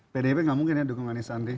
pdip nggak mungkin ya dukung anies andri